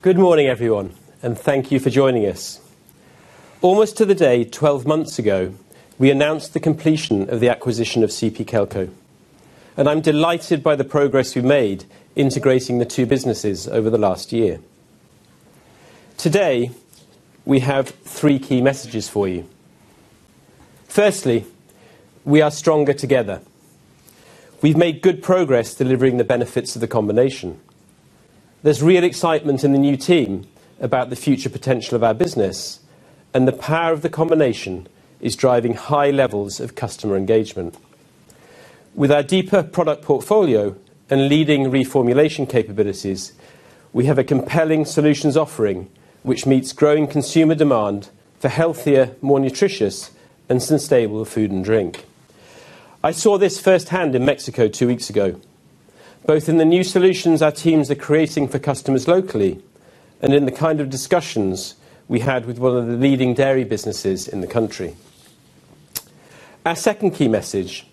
Good morning, everyone, and thank you for joining us. Almost to the day 12 months ago, we announced the completion of the acquisition of CP Kelco, and I'm delighted by the progress we've made integrating the two businesses over the last year. Today, we have three key messages for you. Firstly, we are stronger together. We've made good progress delivering the benefits of the combination. There's real excitement in the new team about the future potential of our business. The power of the combination is driving high levels of customer engagement. With our deeper product portfolio and leading reformulation capabilities, we have a compelling solutions offering which meets growing consumer demand for healthier, more nutritious, and sustainable food and drink. I saw this firsthand in Mexico two weeks ago, both in the new solutions our teams are creating for customers locally and in the kind of discussions we had with one of the leading dairy businesses in the country. Our second key message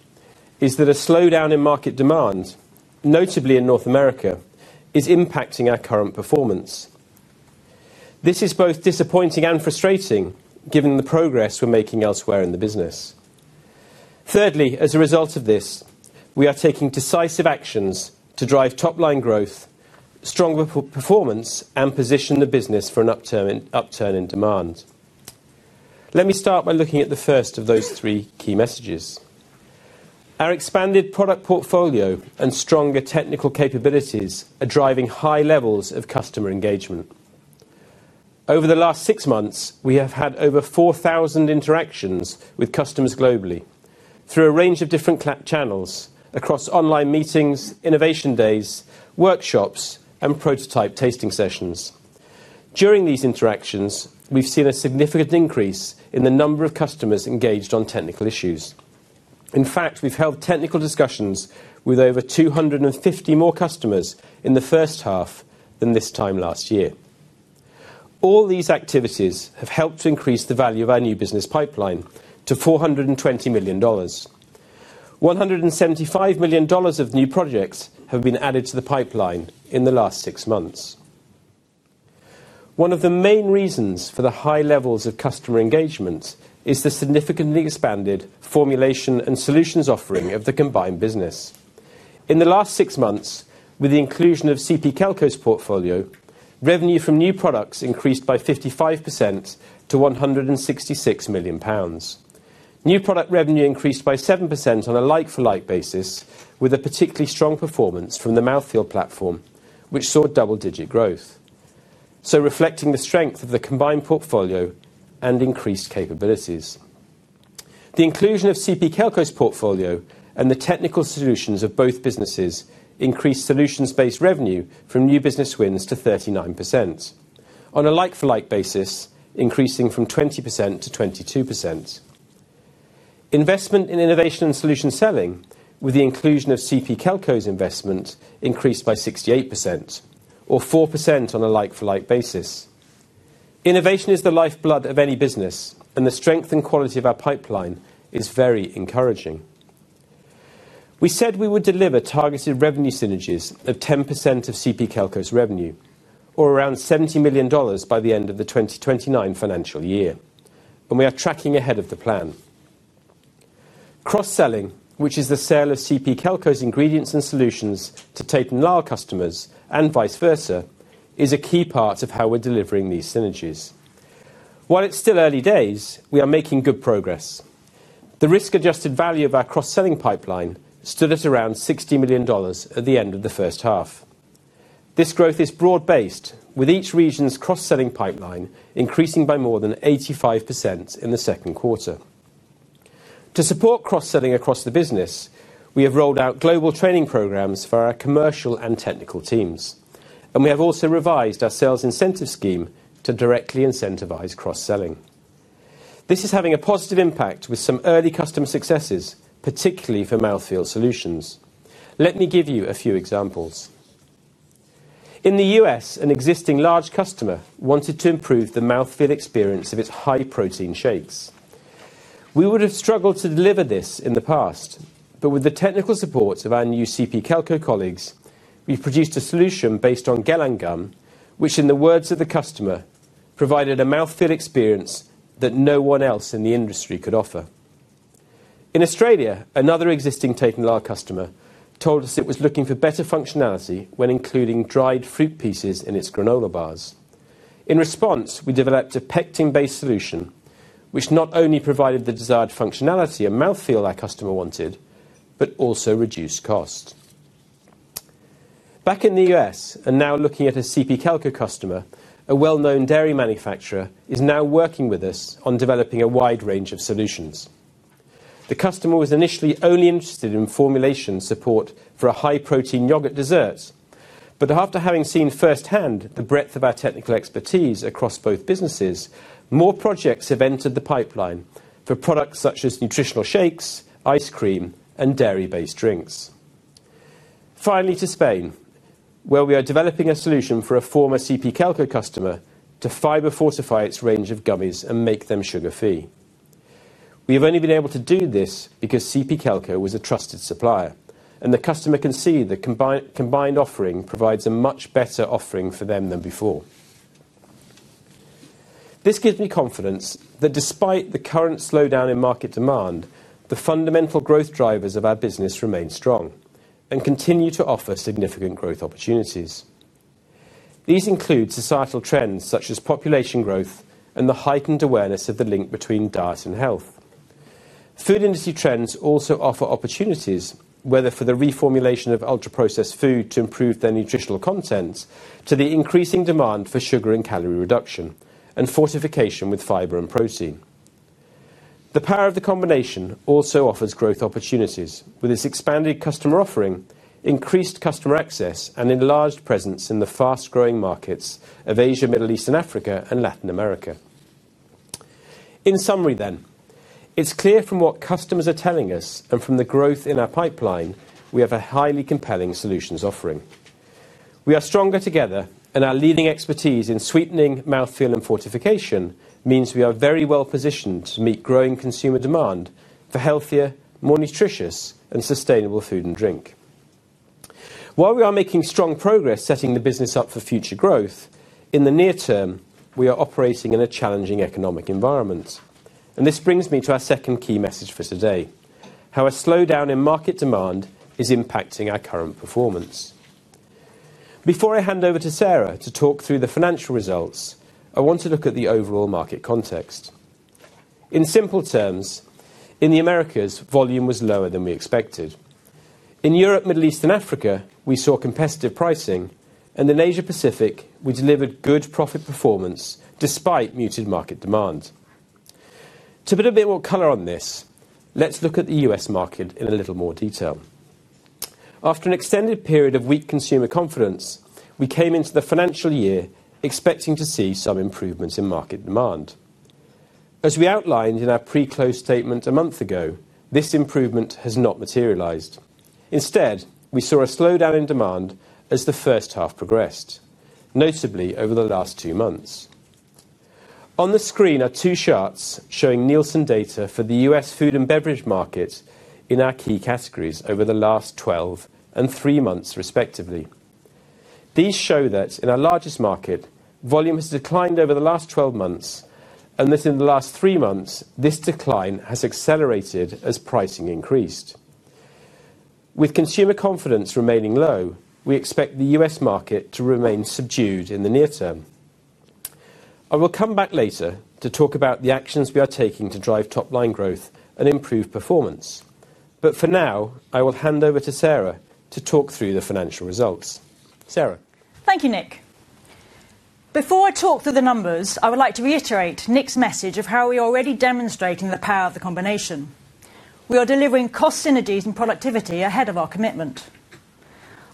is that a slowdown in market demand, notably in North America, is impacting our current performance. This is both disappointing and frustrating given the progress we're making elsewhere in the business. Thirdly, as a result of this, we are taking decisive actions to drive top-line growth, stronger performance, and position the business for an upturn in demand. Let me start by looking at the first of those three key messages. Our expanded product portfolio and stronger technical capabilities are driving high levels of customer engagement. Over the last six months, we have had over 4,000 interactions with customers globally through a range of different channels across online meetings, innovation days, workshops, and prototype tasting sessions. During these interactions, we've seen a significant increase in the number of customers engaged on technical issues. In fact, we've held technical discussions with over 250 more customers in the first half than this time last year. All these activities have helped to increase the value of our new business pipeline to $420 million. $175 million of new projects have been added to the pipeline in the last six months. One of the main reasons for the high levels of customer engagement is the significantly expanded formulation and solutions offering of the combined business. In the last six months, with the inclusion of CP Kelco's portfolio, revenue from new products increased by 55% to 166 million pounds. New product revenue increased by 7% on a like-for-like basis, with a particularly strong performance from the Mouthfeel platform, which saw double-digit growth. This reflects the strength of the combined portfolio and increased capabilities. The inclusion of CP Kelco's portfolio and the technical solutions of both businesses increased solutions-based revenue from new business wins to 39%. On a like-for-like basis, this increased from 20% to 22%. Investment in innovation and solution selling, with the inclusion of CP Kelco's investment, increased by 68%, or 4% on a like-for-like basis. Innovation is the lifeblood of any business, and the strength and quality of our pipeline is very encouraging. We said we would deliver targeted revenue synergies of 10% of CP Kelco's revenue, or around $70 million by the end of the 2029 financial year, and we are tracking ahead of the plan. Cross-selling, which is the sale of CP Kelco's ingredients and solutions to Tate & Lyle customers and vice versa, is a key part of how we're delivering these synergies. While it's still early days, we are making good progress. The risk-adjusted value of our cross-selling pipeline stood at around $60 million at the end of the first half. This growth is broad-based, with each region's cross-selling pipeline increasing by more than 85% in the second quarter. To support cross-selling across the business, we have rolled out global training programs for our commercial and technical teams, and we have also revised our sales incentive scheme to directly incentivize cross-selling. This is having a positive impact with some early customer successes, particularly for Mouthfeel solutions. Let me give you a few examples. In the U.S., an existing large customer wanted to improve the Mouthfeel experience of its high-protein shakes. We would have struggled to deliver this in the past, but with the technical support of our new CP Kelco colleagues, we've produced a solution based on gelling gum, which, in the words of the customer, provided a mouthfeel experience that no one else in the industry could offer. In Australia, another existing Tate & Lyle customer told us it was looking for better functionality when including dried fruit pieces in its granola bars. In response, we developed a pectin-based solution, which not only provided the desired functionality a mouthfeel customer wanted, but also reduced cost. Back in the US, and now looking at a CP Kelco customer, a well-known dairy manufacturer is now working with us on developing a wide range of solutions. The customer was initially only interested in formulation support for a high-protein yogurt dessert, but after having seen firsthand the breadth of our technical expertise across both businesses, more projects have entered the pipeline for products such as nutritional shakes, ice cream, and dairy-based drinks. Finally, to Spain, where we are developing a solution for a former CP Kelco customer to fiber-fortify its range of gummies and make them sugar-free. We have only been able to do this because CP Kelco was a trusted supplier, and the customer can see the combined offering provides a much better offering for them than before. This gives me confidence that despite the current slowdown in market demand, the fundamental growth drivers of our business remain strong and continue to offer significant growth opportunities. These include societal trends such as population growth and the heightened awareness of the link between diet and health. Food industry trends also offer opportunities, whether for the reformulation of ultra-processed food to improve their nutritional content to the increasing demand for sugar and calorie reduction and fortification with fiber and protein. The power of the combination also offers growth opportunities, with its expanded customer offering, increased customer access, and enlarged presence in the fast-growing markets of Asia, Middle East, Africa, and Latin America. In summary, then, it's clear from what customers are telling us and from the growth in our pipeline we have a highly compelling solutions offering. We are stronger together, and our leading expertise in sweetening, mouthfeel, and fortification means we are very well positioned to meet growing consumer demand for healthier, more nutritious, and sustainable food and drink. While we are making strong progress setting the business up for future growth, in the near term, we are operating in a challenging economic environment, and this brings me to our second key message for today: how a slowdown in market demand is impacting our current performance. Before I hand over to Sarah to talk through the financial results, I want to look at the overall market context. In simple terms, in the Americas, volume was lower than we expected. In Europe, Middle East, and Africa, we saw competitive pricing, and in Asia-Pacific, we delivered good profit performance despite muted market demand. To put a bit more color on this, let's look at the U.S. market in a little more detail. After an extended period of weak consumer confidence, we came into the financial year expecting to see some improvements in market demand. As we outlined in our pre-close statement a month ago, this improvement has not materialized. Instead, we saw a slowdown in demand as the first half progressed, notably over the last two months. On the screen are two charts showing Nielsen data for the US food and beverage market in our key categories over the last 12 and 3 months, respectively. These show that in our largest market, volume has declined over the last 12 months and that in the last 3 months, this decline has accelerated as pricing increased. With consumer confidence remaining low, we expect the US market to remain subdued in the near term. I will come back later to talk about the actions we are taking to drive top-line growth and improve performance, but for now, I will hand over to Sarah to talk through the financial results, Sarah. Thank you, Nick. Before I talk through the numbers, I would like to reiterate Nick's message of how we are already demonstrating the power of the combination. We are delivering cost synergies and productivity ahead of our commitment.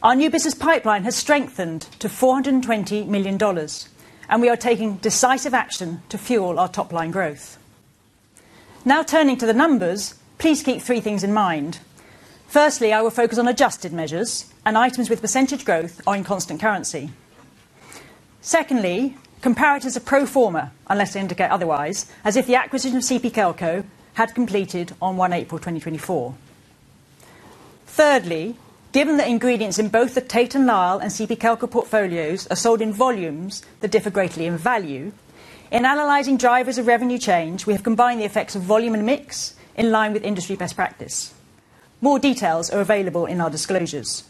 Our new business pipeline has strengthened to $420 million, and we are taking decisive action to fuel our top-line growth. Now turning to the numbers, please keep three things in mind. Firstly, I will focus on adjusted measures and items with percentage growth or in constant currency. Secondly, comparators are pro forma unless they indicate otherwise, as if the acquisition of CP Kelco had completed on 1 April 2024. Thirdly, given that ingredients in both the Tate & Lyle and CP Kelco portfolios are sold in volumes that differ greatly in value, in analyzing drivers of revenue change, we have combined the effects of volume and mix in line with industry best practice. More details are available in our disclosures.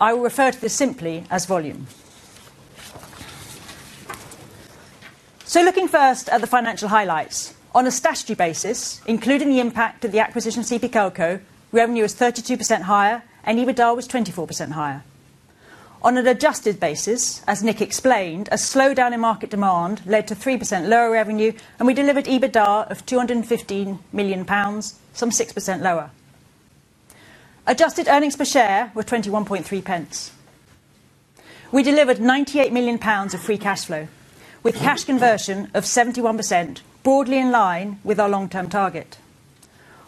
I will refer to this simply as volume. Looking first at the financial highlights, on a strategy basis, including the impact of the acquisition of CP Kelco, revenue was 32% higher and EBITDA was 24% higher. On an adjusted basis, as Nick explained, a slowdown in market demand led to 3% lower revenue, and we delivered EBITDA of 215 million pounds, some 6% lower. Adjusted earnings per share were 21.30. We delivered 98 million pounds of free cash flow, with cash conversion of 71%, broadly in line with our long-term target.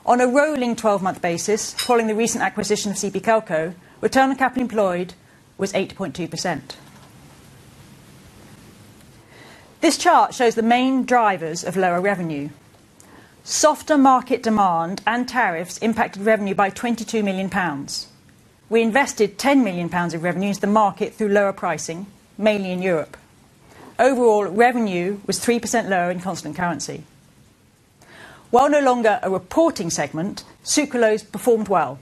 On a rolling 12-month basis, following the recent acquisition of CP Kelco, return on capital employed was 8.2%. This chart shows the main drivers of lower revenue. Softer market demand and tariffs impacted revenue by 22 million pounds. We invested 10 million pounds of revenue into the market through lower pricing, mainly in Europe. Overall, revenue was 3% lower in constant currency. While no longer a reporting segment, Sucralose performed well,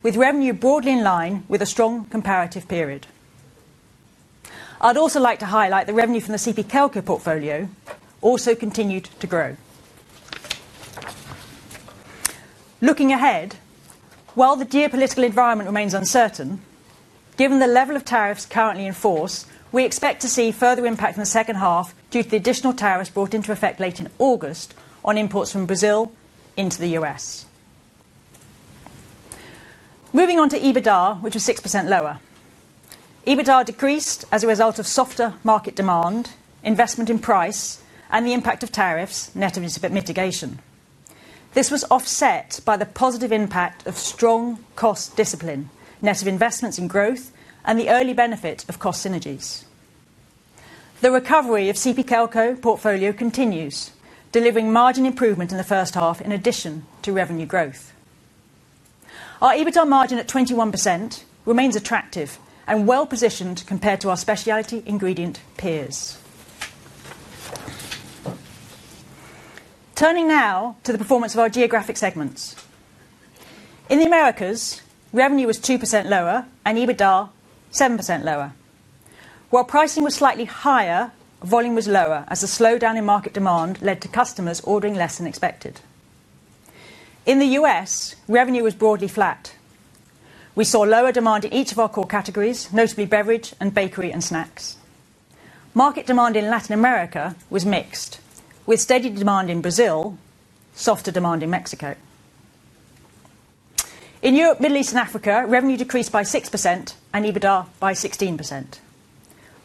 with revenue broadly in line with a strong comparative period. I'd also like to highlight that revenue from the CP Kelco portfolio also continued to grow. Looking ahead, while the geopolitical environment remains uncertain, given the level of tariffs currently in force, we expect to see further impact in the second half due to the additional tariffs brought into effect late in August on imports from Brazil into the US. Moving on to EBITDA, which was 6% lower. EBITDA decreased as a result of softer market demand, investment in price, and the impact of tariffs, net of its mitigation. This was offset by the positive impact of strong cost discipline, net of investments in growth, and the early benefit of cost synergies. The recovery of CP Kelco portfolio continues, delivering margin improvement in the first half in addition to revenue growth. Our EBITDA margin at 21% remains attractive and well-positioned compared to our specialty ingredient peers. Turning now to the performance of our geographic segments. In the Americas, revenue was 2% lower and EBITDA 7% lower. While pricing was slightly higher, volume was lower as the slowdown in market demand led to customers ordering less than expected. In the U.S., revenue was broadly flat. We saw lower demand in each of our core categories, notably beverage, bakery, and snacks. Market demand in Latin America was mixed, with steady demand in Brazil, softer demand in Mexico. In Europe, Middle East, and Africa, revenue decreased by 6% and EBITDA by 16%.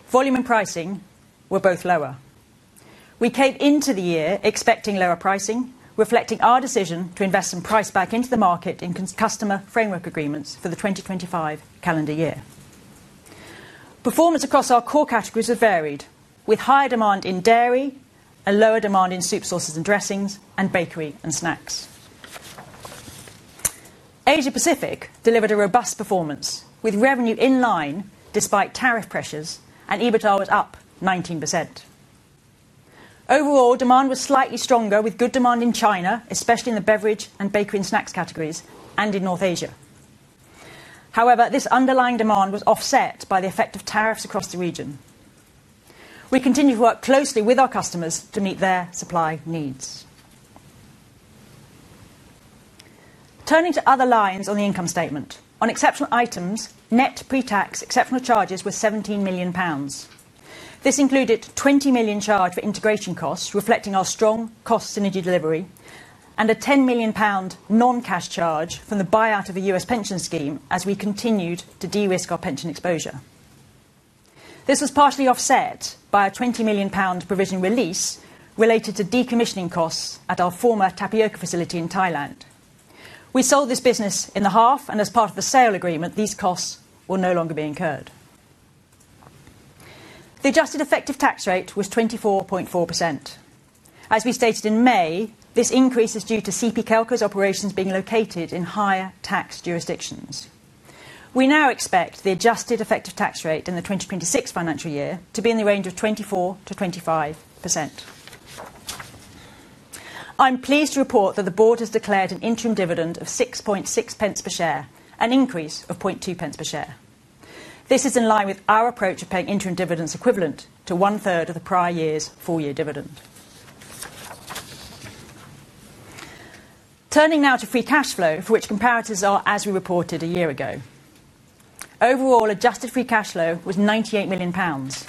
Volume and pricing were both lower. We came into the year expecting lower pricing, reflecting our decision to invest some price back into the market in customer framework agreements for the 2025 calendar year. Performance across our core categories varied, with higher demand in dairy and lower demand in soup, sauces and dressings, and bakery and snacks. Asia-Pacific delivered a robust performance, with revenue in line despite tariff pressures, and EBITDA was up 19%. Overall, demand was slightly stronger, with good demand in China, especially in the beverage and bakery and snacks categories, and in North Asia. However, this underlying demand was offset by the effect of tariffs across the region. We continue to work closely with our customers to meet their supply needs. Turning to other lines on the income statement, on exceptional items, net pre-tax exceptional charges were 17 million pounds. This included a 20 million charge for integration costs, reflecting our strong cost synergy delivery, and a 10 million pound non-cash charge from the buyout of a US pension scheme as we continued to de-risk our pension exposure. This was partially offset by a 20 million pound provision release related to decommissioning costs at our former tapioca facility in Thailand. We sold this business in half, and as part of the sale agreement, these costs will no longer be incurred. The adjusted effective tax rate was 24.4%. As we stated in May, this increase is due to CP Kelco's operations being located in higher tax jurisdictions. We now expect the adjusted effective tax rate in the 2026 financial year to be in the range of 24%-25%. I'm pleased to report that the board has declared an interim dividend of 0.066 per share, an increase of 0.002 per share. This is in line with our approach of paying interim dividends equivalent to one-third of the prior year's full-year dividend. Turning now to free cash flow, for which comparators are, as we reported a year ago. Overall, adjusted free cash flow was 98 million pounds,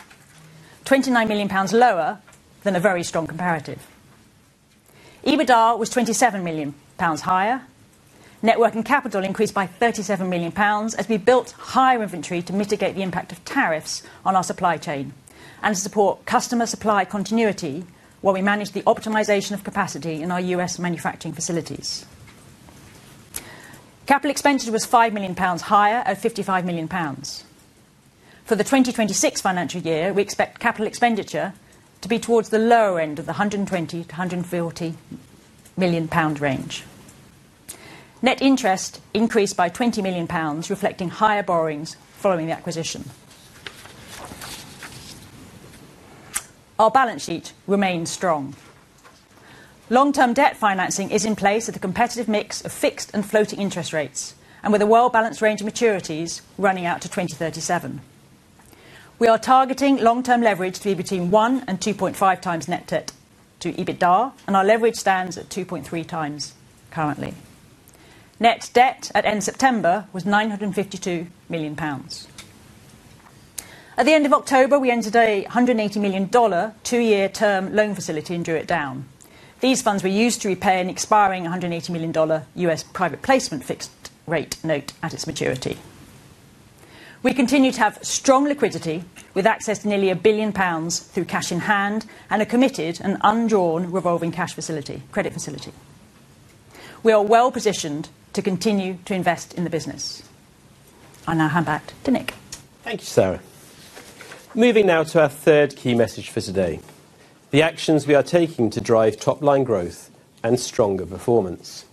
29 million pounds lower than a very strong comparative. EBITDA was 27 million pounds higher. Net working capital increased by 37 million pounds as we built higher inventory to mitigate the impact of tariffs on our supply chain and to support customer supply continuity while we manage the optimization of capacity in our US manufacturing facilities. Capital expenditure was 5 million pounds higher at 55 million pounds. For the 2026 financial year, we expect capital expenditure to be towards the lower end of the 120-140 million pound range. Net interest increased by 20 million pounds, reflecting higher borrowings following the acquisition. Our balance sheet remains strong. Long-term debt financing is in place with a competitive mix of fixed and floating interest rates and with a well-balanced range of maturities running out to 2037. We are targeting long-term leverage to be between 1-2.5 times net debt to EBITDA, and our leverage stands at 2.3 times currently. Net debt at end September was 952 million pounds. At the end of October, we entered a $180 million two-year term loan facility in Druitt Down. These funds were used to repay an expiring $180 million US private placement fixed rate note at its maturity. We continue to have strong liquidity with access to nearly 1 billion pounds through cash in hand and a committed and undrawn revolving credit facility. We are well-positioned to continue to invest in the business. I now hand back to Nick. Thank you, Sarah. Moving now to our third key message for today: the actions we are taking to drive top-line growth and stronger performance.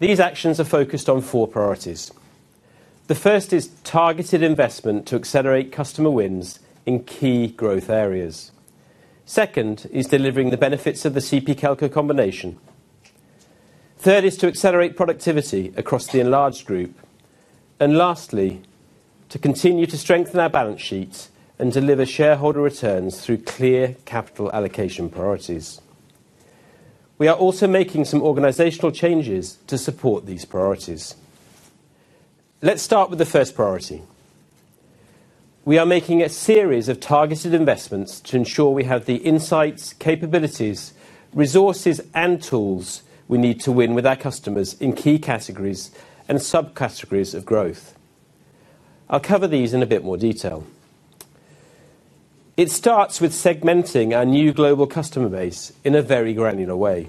These actions are focused on four priorities. The first is targeted investment to accelerate customer wins in key growth areas. The second is delivering the benefits of the CP Kelco combination. The third is to accelerate productivity across the enlarged group. Lastly, to continue to strengthen our balance sheet and deliver shareholder returns through clear capital allocation priorities. We are also making some organizational changes to support these priorities. Let's start with the first priority. We are making a series of targeted investments to ensure we have the insights, capabilities, resources, and tools we need to win with our customers in key categories and subcategories of growth. I'll cover these in a bit more detail. It starts with segmenting our new global customer base in a very granular way.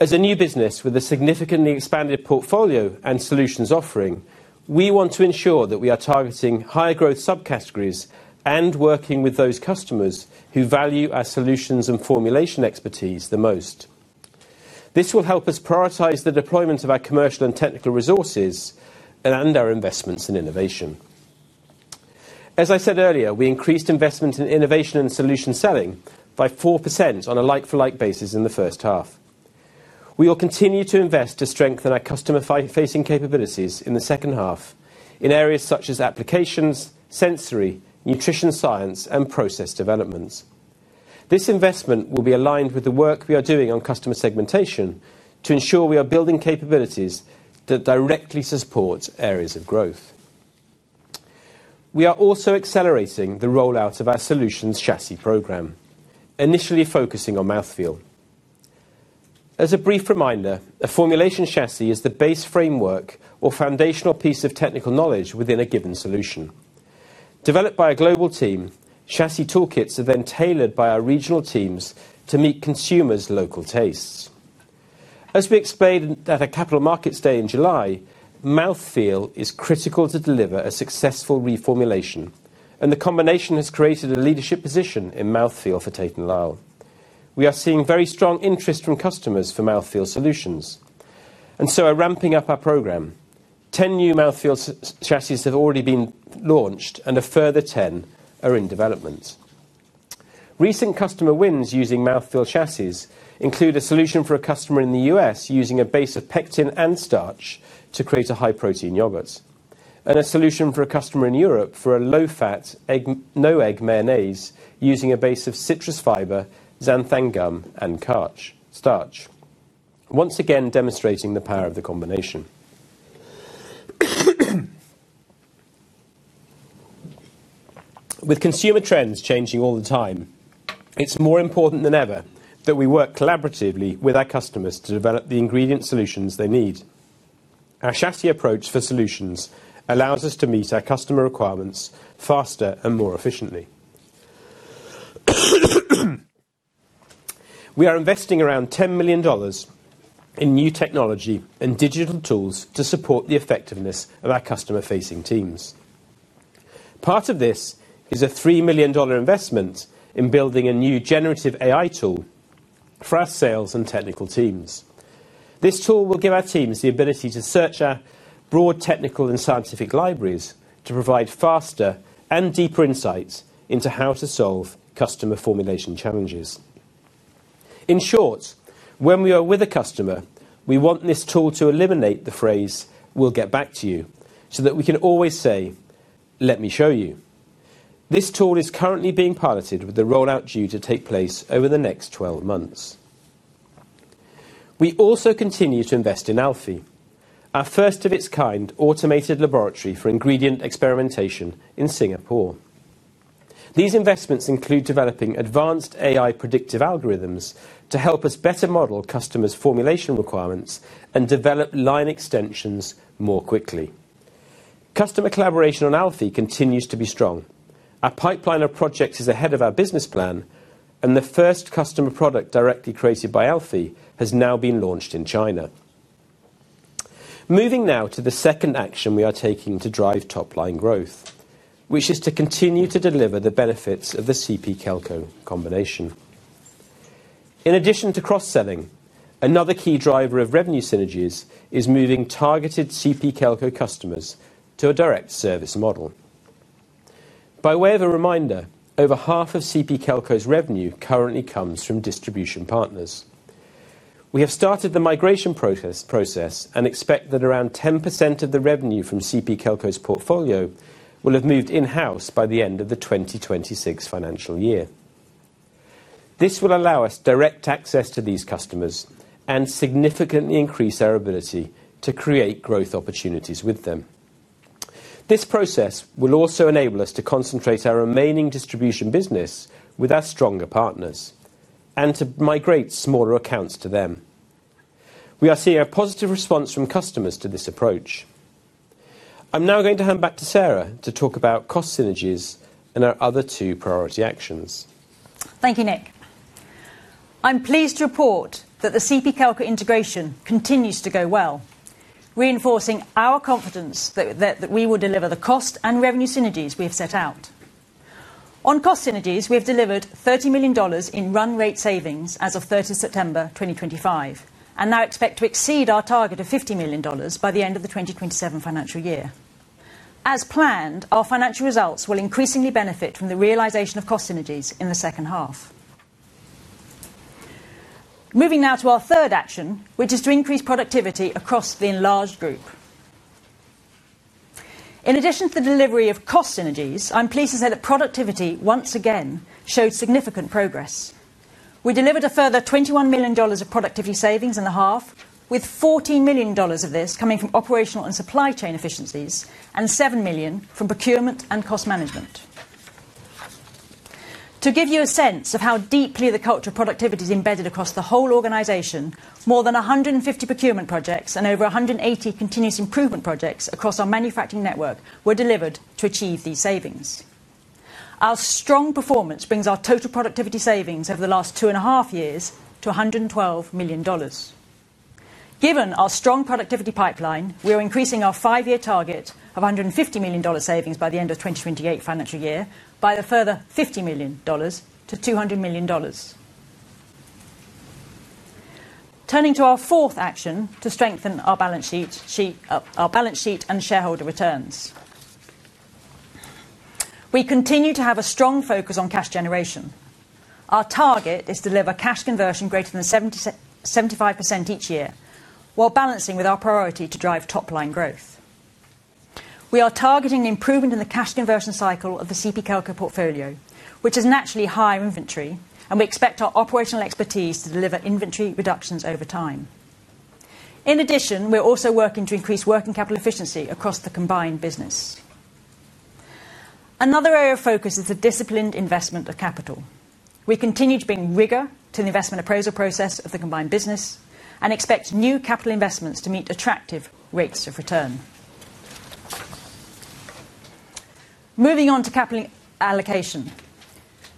As a new business with a significantly expanded portfolio and solutions offering, we want to ensure that we are targeting higher growth subcategories and working with those customers who value our solutions and formulation expertise the most. This will help us prioritize the deployment of our commercial and technical resources and our investments in innovation. As I said earlier, we increased investment in innovation and solution selling by 4% on a like-for-like basis in the first half. We will continue to invest to strengthen our customer-facing capabilities in the second half in areas such as applications, sensory, nutrition science, and process developments. This investment will be aligned with the work we are doing on customer segmentation to ensure we are building capabilities that directly support areas of growth. We are also accelerating the rollout of our solutions chassis program. Initially focusing on mouthfeel. As a brief reminder, a formulation chassis is the base framework or foundational piece of technical knowledge within a given solution. Developed by a global team, chassis toolkits are then tailored by our regional teams to meet consumers' local tastes. As we explained at a capital markets day in July, mouthfeel is critical to deliver a successful reformulation, and the combination has created a leadership position in mouthfeel for Tate & Lyle. We are seeing very strong interest from customers for mouthfeel solutions, and so we're ramping up our program. Ten new mouthfeel chassis have already been launched, and a further ten are in development. Recent customer wins using mouthfeel chassis include a solution for a customer in the U.S. using a base of pectin and starch to create a high-protein yogurt, and a solution for a customer in Europe for a low-fat, egg-no-egg mayonnaise using a base of citrus fiber, xanthan gum, and starch. Once again, demonstrating the power of the combination. With consumer trends changing all the time, it's more important than ever that we work collaboratively with our customers to develop the ingredient solutions they need. Our chassis approach for solutions allows us to meet our customer requirements faster and more efficiently. We are investing around $10 million in new technology and digital tools to support the effectiveness of our customer-facing teams. Part of this is a $3 million investment in building a new generative AI tool for our sales and technical teams. This tool will give our teams the ability to search our broad technical and scientific libraries to provide faster and deeper insights into how to solve customer formulation challenges. In short, when we are with a customer, we want this tool to eliminate the phrase, "We'll get back to you," so that we can always say, "Let me show you." This tool is currently being piloted with the rollout due to take place over the next 12 months. We also continue to invest in Alfie, our first-of-its-kind automated laboratory for ingredient experimentation in Singapore. These investments include developing advanced AI predictive algorithms to help us better model customers' formulation requirements and develop line extensions more quickly. Customer collaboration on Alfie continues to be strong. Our pipeline of projects is ahead of our business plan, and the first customer product directly created by Alfie has now been launched in China. Moving now to the second action we are taking to drive top-line growth, which is to continue to deliver the benefits of the CP Kelco combination. In addition to cross-selling, another key driver of revenue synergies is moving targeted CP Kelco customers to a direct service model. By way of a reminder, over half of CP Kelco's revenue currently comes from distribution partners. We have started the migration process and expect that around 10% of the revenue from CP Kelco's portfolio will have moved in-house by the end of the 2026 financial year. This will allow us direct access to these customers and significantly increase our ability to create growth opportunities with them. This process will also enable us to concentrate our remaining distribution business with our stronger partners and to migrate smaller accounts to them. We are seeing a positive response from customers to this approach. I'm now going to hand back to Sarah to talk about cost synergies and our other two priority actions. Thank you, Nick. I'm pleased to report that the CP Kelco integration continues to go well, reinforcing our confidence that we will deliver the cost and revenue synergies we have set out. On cost synergies, we have delivered $30 million in run rate savings as of 30 September 2025, and now expect to exceed our target of $50 million by the end of the 2027 financial year. As planned, our financial results will increasingly benefit from the realization of cost synergies in the second half. Moving now to our third action, which is to increase productivity across the enlarged group. In addition to the delivery of cost synergies, I'm pleased to say that productivity once again showed significant progress. We delivered a further $21 million of productivity savings in the half, with $14 million of this coming from operational and supply chain efficiencies and $7 million from procurement and cost management. To give you a sense of how deeply the culture of productivity is embedded across the whole organization, more than 150 procurement projects and over 180 continuous improvement projects across our manufacturing network were delivered to achieve these savings. Our strong performance brings our total productivity savings over the last two and a half years to $112 million. Given our strong productivity pipeline, we are increasing our five-year target of $150 million savings by the end of the 2028 financial year by a further $50 million to $200 million. Turning to our fourth action to strengthen our balance sheet and shareholder returns. We continue to have a strong focus on cash generation. Our target is to deliver cash conversion greater than 75% each year while balancing with our priority to drive top-line growth. We are targeting improvement in the cash conversion cycle of the CP Kelco portfolio, which is naturally high in inventory, and we expect our operational expertise to deliver inventory reductions over time. In addition, we're also working to increase working capital efficiency across the combined business. Another area of focus is the disciplined investment of capital. We continue to bring rigor to the investment appraisal process of the combined business and expect new capital investments to meet attractive rates of return. Moving on to capital allocation,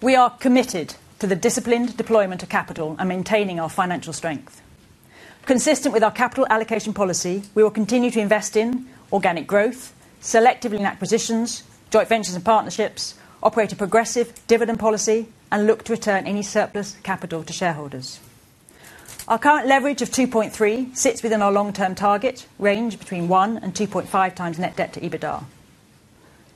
we are committed to the disciplined deployment of capital and maintaining our financial strength. Consistent with our capital allocation policy, we will continue to invest in organic growth, selectively in acquisitions, joint ventures and partnerships, operate a progressive dividend policy, and look to return any surplus capital to shareholders. Our current leverage of 2.3 sits within our long-term target range between 1 and 2.5 times net debt to EBITDA.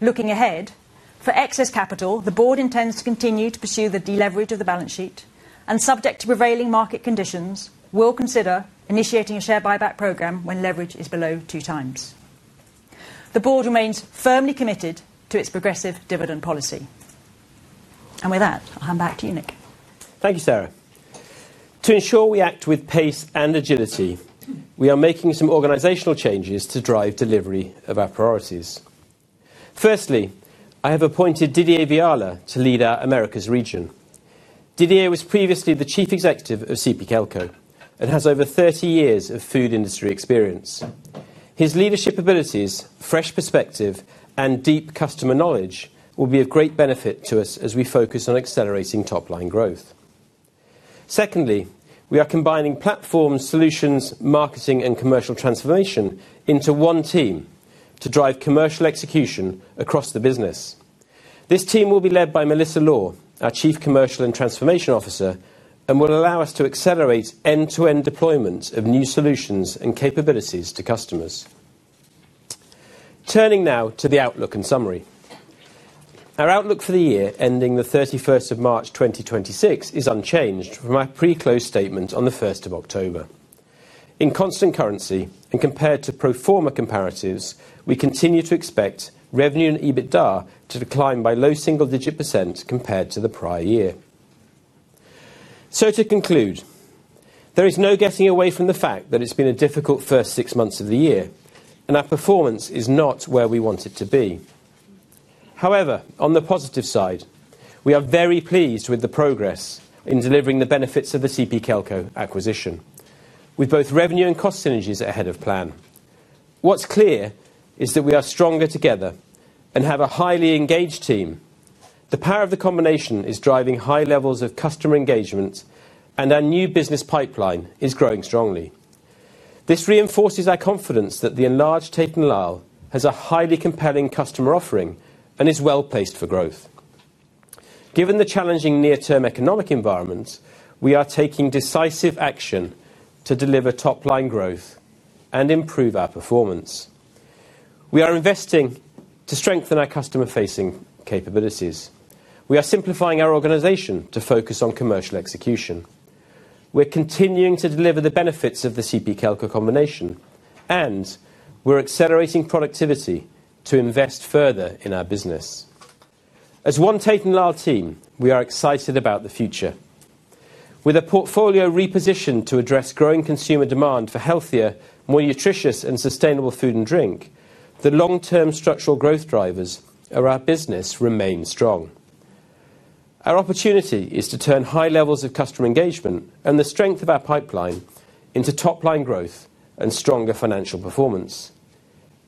Looking ahead, for excess capital, the board intends to continue to pursue the deleverage of the balance sheet, and subject to prevailing market conditions, we'll consider initiating a share buyback program when leverage is below two times. The board remains firmly committed to its progressive dividend policy. With that, I'll hand back to you, Nick. Thank you, Sarah. To ensure we act with pace and agility, we are making some organizational changes to drive delivery of our priorities. Firstly, I have appointed Didier Viala to lead our Americas region. Didier was previously the chief executive of CP Kelco and has over 30 years of food industry experience. His leadership abilities, fresh perspective, and deep customer knowledge will be of great benefit to us as we focus on accelerating top-line growth. Secondly, we are combining platforms, solutions, marketing, and commercial transformation into one team to drive commercial execution across the business. This team will be led by Melissa Law, our Chief Commercial and Transformation Officer, and will allow us to accelerate end-to-end deployment of new solutions and capabilities to customers. Turning now to the outlook and summary. Our outlook for the year ending the 31st of March 2026 is unchanged from our pre-close statement on the 1st of October. In constant currency and compared to pro forma comparatives, we continue to expect revenue and EBITDA to decline by low single-digit % compared to the prior year. To conclude, there is no getting away from the fact that it's been a difficult first six months of the year, and our performance is not where we want it to be. However, on the positive side, we are very pleased with the progress in delivering the benefits of the CP Kelco acquisition, with both revenue and cost synergies ahead of plan. What is clear is that we are stronger together and have a highly engaged team. The power of the combination is driving high levels of customer engagement, and our new business pipeline is growing strongly. This reinforces our confidence that the enlarged Tate & Lyle has a highly compelling customer offering and is well placed for growth. Given the challenging near-term economic environment, we are taking decisive action to deliver top-line growth and improve our performance. We are investing to strengthen our customer-facing capabilities. We are simplifying our organization to focus on commercial execution. We are continuing to deliver the benefits of the CP Kelco combination, and we are accelerating productivity to invest further in our business. As one Tate & Lyle team, we are excited about the future. With a portfolio repositioned to address growing consumer demand for healthier, more nutritious, and sustainable food and drink, the long-term structural growth drivers of our business remain strong. Our opportunity is to turn high levels of customer engagement and the strength of our pipeline into top-line growth and stronger financial performance.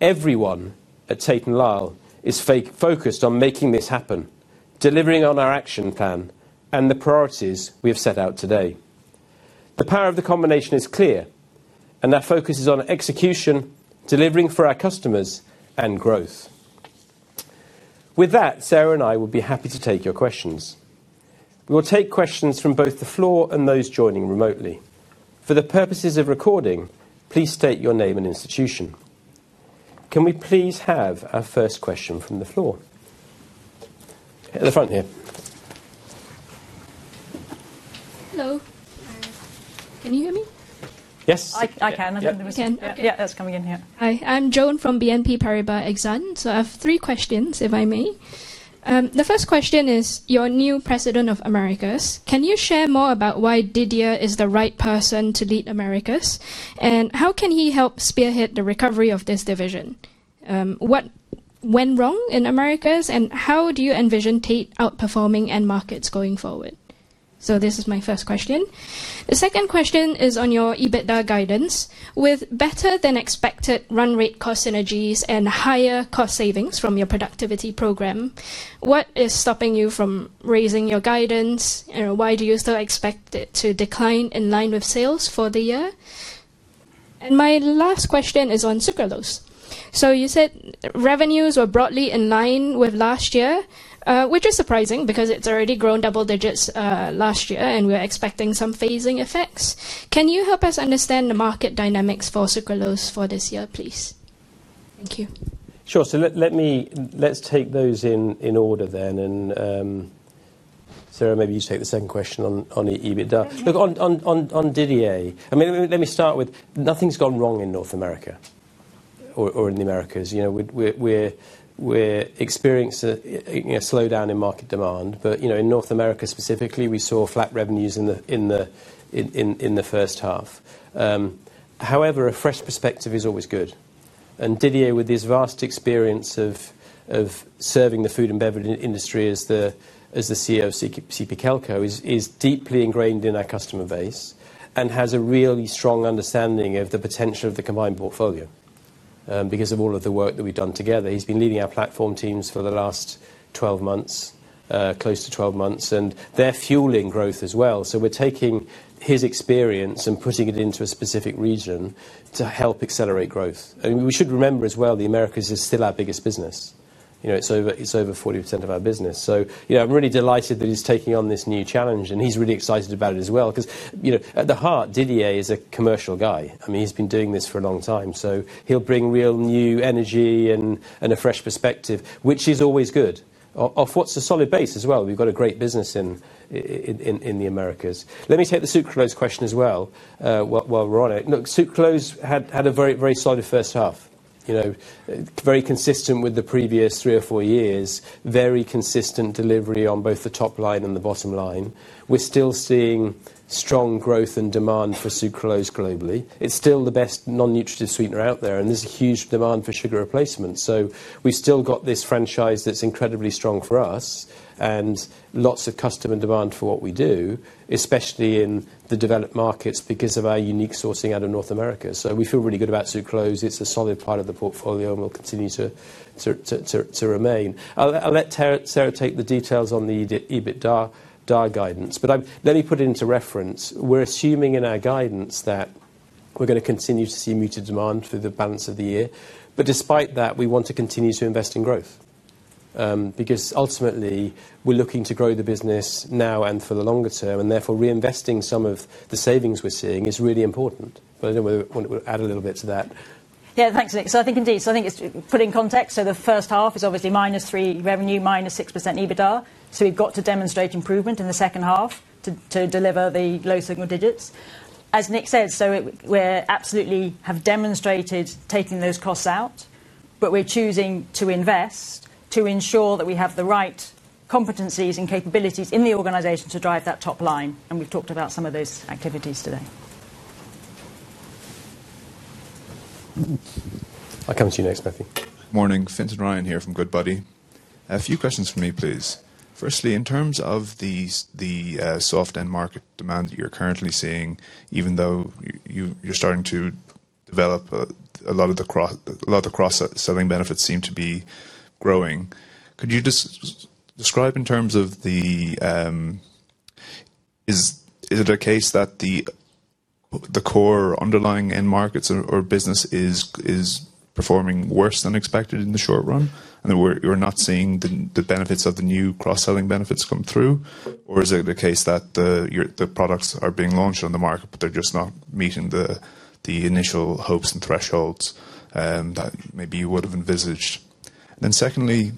Everyone at Tate & Lyle is focused on making this happen, delivering on our action plan and the priorities we have set out today. The power of the combination is clear, and our focus is on execution, delivering for our customers, and growth. With that, Sarah and I will be happy to take your questions. We will take questions from both the floor and those joining remotely. For the purposes of recording, please state your name and institution. Can we please have our first question from the floor? At the front here. Hello. Can you hear me? Yes. I can. I think there was a can. Yeah, that's coming in here. Hi, I'm Joan from BNP Paribas Exane. I have three questions, if I may. The first question is, your new President of Americas, can you share more about why Didier is the right person to lead Americas? How can he help spearhead the recovery of this division? What went wrong in Americas? How do you envision Tate & Lyle outperforming end markets going forward? This is my first question. The second question is on your EBITDA guidance. With better-than-expected run rate cost synergies and higher cost savings from your productivity program, what is stopping you from raising your guidance? Why do you still expect it to decline in line with sales for the year? My last question is on sucralose. You said revenues were broadly in line with last year, which is surprising because it already grew double digits last year, and we're expecting some phasing effects. Can you help us understand the market dynamics for sucralose for this year, please? Thank you. Sure. Let's take those in order then. Sarah, maybe you take the second question on EBITDA. Look, on Didier, I mean, let me start with nothing's gone wrong in North America or in the Americas. We're experiencing a slowdown in market demand. In North America specifically, we saw flat revenues in the first half. However, a fresh perspective is always good. Didier, with his vast experience of serving the food and beverage industry as the CEO of CP Kelco, is deeply ingrained in our customer base and has a really strong understanding of the potential of the combined portfolio. Because of all of the work that we've done together, he's been leading our platform teams for the last 12 months, close to 12 months, and they're fueling growth as well. We're taking his experience and putting it into a specific region to help accelerate growth. We should remember as well, the Americas is still our biggest business. It is over 40% of our business. I am really delighted that he is taking on this new challenge, and he is really excited about it as well. At the heart, Didier is a commercial guy. I mean, he has been doing this for a long time. He will bring real new energy and a fresh perspective, which is always good, off what is a solid base as well. We have got a great business in the Americas. Let me take the sucralose question as well while we are on it. Look, sucralose had a very solid first half. Very consistent with the previous three or four years, very consistent delivery on both the top line and the bottom line. We are still seeing strong growth and demand for sucralose globally. It's still the best non-nutritive sweetener out there, and there's a huge demand for sugar replacement. We've still got this franchise that's incredibly strong for us and lots of customer demand for what we do, especially in the developed markets because of our unique sourcing out of North America. We feel really good about sucralose. It's a solid part of the portfolio and will continue to remain. I'll let Sarah take the details on the EBITDA guidance. Let me put it into reference. We're assuming in our guidance that we're going to continue to see muted demand through the balance of the year. Despite that, we want to continue to invest in growth. Ultimately, we're looking to grow the business now and for the longer term. Therefore, reinvesting some of the savings we're seeing is really important. I don't know whether we want to add a little bit to that. Yeah, thanks, Nick. I think, indeed, I think it's put in context. The first half is obviously minus 3% revenue, minus 6% EBITDA. We've got to demonstrate improvement in the second half to deliver the low single digits. As Nick said, we absolutely have demonstrated taking those costs out, but we're choosing to invest to ensure that we have the right competencies and capabilities in the organization to drive that top line. We've talked about some of those activities today. I'll come to you next, Matthew. Morning. Fintan Ryan here from Goodbody. A few questions for me, please. Firstly, in terms of the soft end market demand that you're currently seeing, even though you're starting to develop, a lot of the cross-selling benefits seem to be growing. Could you just describe in terms of the, is it a case that the core underlying end markets or business is performing worse than expected in the short run? And we're not seeing the benefits of the new cross-selling benefits come through? Or is it a case that the products are being launched on the market, but they're just not meeting the initial hopes and thresholds that maybe you would have envisaged? Secondly,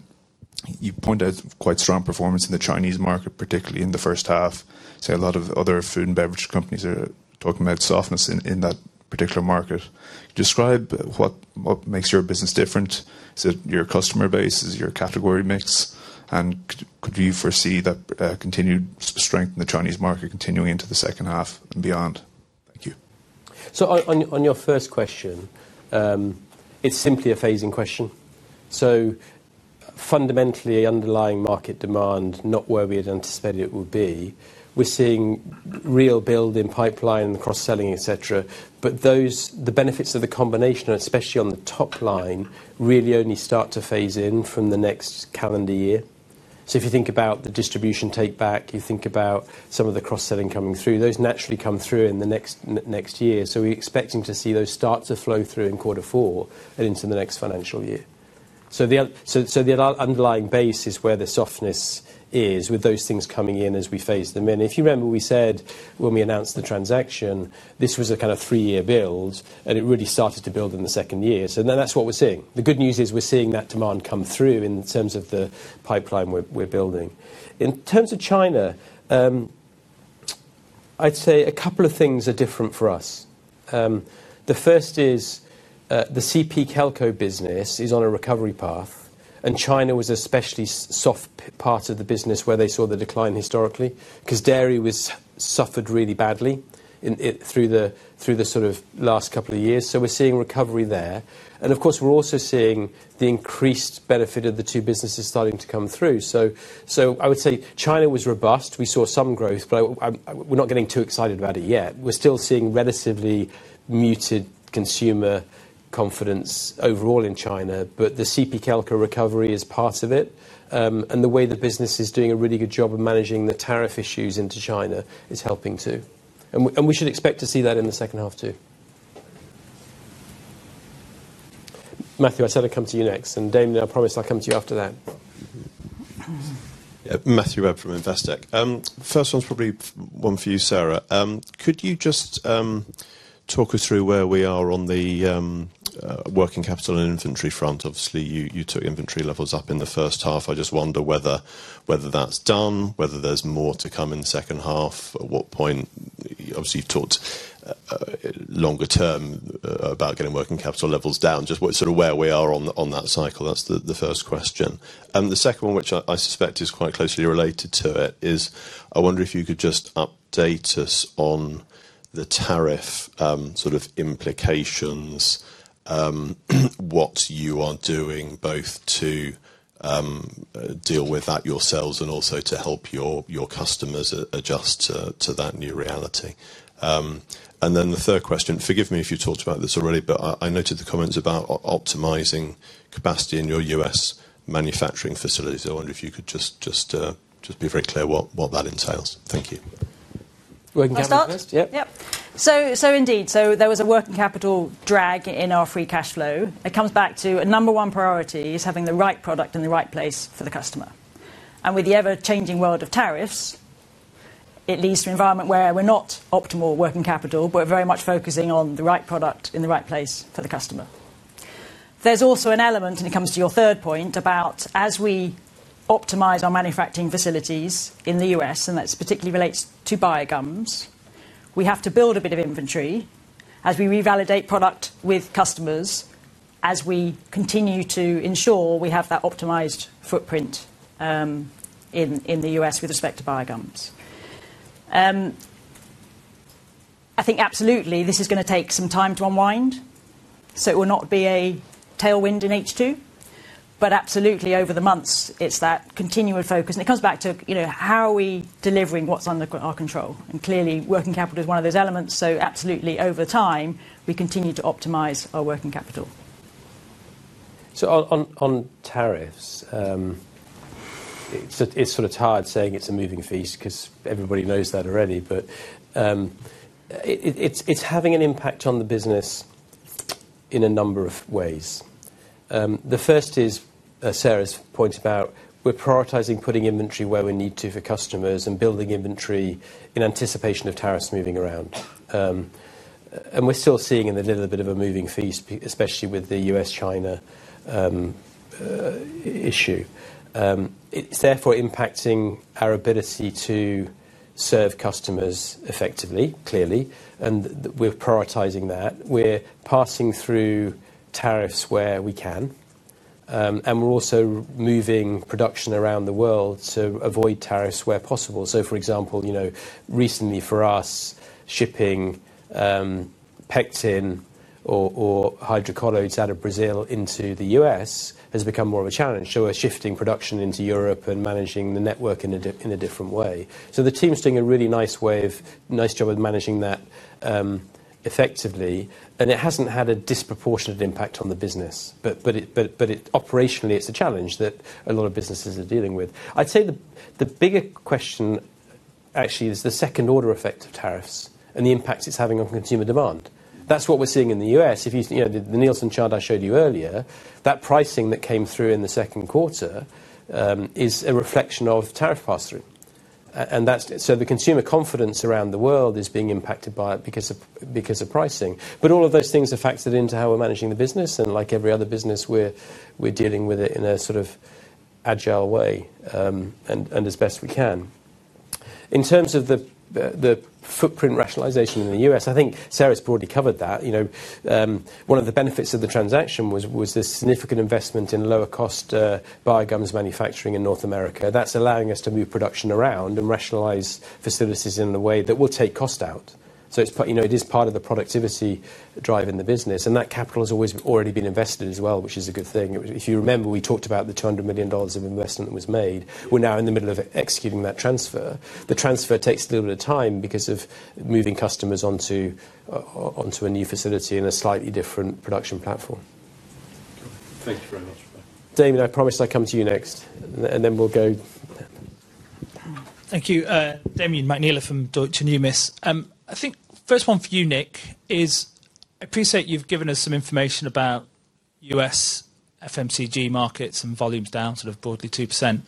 you point out quite strong performance in the Chinese market, particularly in the first half. A lot of other food and beverage companies are talking about softness in that particular market. Describe what makes your business different. Is it your customer base? Is it your category mix? Could you foresee that continued strength in the Chinese market continuing into the second half and beyond? Thank you. On your first question. It's simply a phasing question. Fundamentally, underlying market demand, not where we had anticipated it would be. We're seeing real build in pipeline and cross-selling, et cetera. The benefits of the combination, especially on the top line, really only start to phase in from the next calendar year. If you think about the distribution take back, you think about some of the cross-selling coming through, those naturally come through in the next year. We're expecting to see those start to flow through in quarter four and into the next financial year. The underlying base is where the softness is, with those things coming in as we phase them in. If you remember, we said when we announced the transaction, this was a kind of three-year build, and it really started to build in the second year. That's what we're seeing. The good news is we're seeing that demand come through in terms of the pipeline we're building. In terms of China, I'd say a couple of things are different for us. The first is the CP Kelco business is on a recovery path, and China was an especially soft part of the business where they saw the decline historically because dairy suffered really badly through the sort of last couple of years. We're seeing recovery there, and of course, we're also seeing the increased benefit of the two businesses starting to come through. I would say China was robust. We saw some growth, but we're not getting too excited about it yet. We're still seeing relatively muted consumer confidence overall in China, but the CP Kelco recovery is part of it. The way the business is doing a really good job of managing the tariff issues into China is helping too. We should expect to see that in the second half too. Matthew, I said I'd come to you next. Damian, I promised I'd come to you after that. First one's probably one for you, Sarah. Could you just talk us through where we are on the working capital and inventory front? Obviously, you took inventory levels up in the first half. I just wonder whether that's done, whether there's more to come in the second half, at what point. Obviously, you've talked longer term about getting working capital levels down. Just sort of where we are on that cycle, that's the first question. The second one, which I suspect is quite closely related to it, is I wonder if you could just update us on the tariff sort of implications. What you are doing both to deal with that yourselves and also to help your customers adjust to that new reality. The third question, forgive me if you talked about this already, but I noted the comments about optimizing capacity in your US manufacturing facilities. I wonder if you could just be very clear what that entails. Thank you. Working capital first? Yep. So indeed, there was a working capital drag in our free cash flow. It comes back to a number one priority is having the right product in the right place for the customer. With the ever-changing world of tariffs, it leads to an environment where we're not optimal working capital, but we're very much focusing on the right product in the right place for the customer. There's also an element, and it comes to your third point, about as we optimize our manufacturing facilities in the US, and that particularly relates to biogums, we have to build a bit of inventory as we revalidate product with customers as we continue to ensure we have that optimized footprint. In the US with respect to biogums, I think absolutely this is going to take some time to unwind. It will not be a tailwind in H2. But absolutely over the months, it's that continual focus. It comes back to how are we delivering what's under our control. Clearly, working capital is one of those elements. Absolutely over time, we continue to optimize our working capital. On tariffs. It's sort of hard saying it's a moving feast because everybody knows that already. But it's having an impact on the business in a number of ways. The first is, as Sarah's pointed out, we're prioritizing putting inventory where we need to for customers and building inventory in anticipation of tariffs moving around. We're still seeing a little bit of a moving feast, especially with the US-China issue. It's therefore impacting our ability to serve customers effectively, clearly. We're prioritizing that. We're passing through tariffs where we can. We're also moving production around the world to avoid tariffs where possible. For example, recently for us, shipping pectin or hydrocolloids out of Brazil into the US has become more of a challenge. We're shifting production into Europe and managing the network in a different way. The team's doing a really nice job of managing that effectively. It hasn't had a disproportionate impact on the business. Operationally, it's a challenge that a lot of businesses are dealing with. I'd say the bigger question actually is the second-order effect of tariffs and the impact it's having on consumer demand. That's what we're seeing in the U.S. The Nielsen chart I showed you earlier, that pricing that came through in the second quarter is a reflection of tariff pass-through. The consumer confidence around the world is being impacted by it because of pricing. All of those things are factored into how we're managing the business. Like every other business, we're dealing with it in a sort of agile way and as best we can. In terms of the footprint rationalization in the U.S., I think Sarah's broadly covered that. One of the benefits of the transaction was the significant investment in lower-cost biogums manufacturing in North America. That's allowing us to move production around and rationalize facilities in a way that will take cost out. It is part of the productivity drive in the business. That capital has already been invested as well, which is a good thing. If you remember, we talked about the $200 million of investment that was made. We're now in the middle of executing that transfer. The transfer takes a little bit of time because of moving customers onto a new facility and a slightly different production platform. Thank you very much. Damian, I promised I'd come to you next. And then we'll go. Thank you. Damian McNeela from Deutsche Numis. I think first one for you, Nick, is I appreciate you've given us some information about U.S. FMCG markets and volumes down sort of broadly 2%.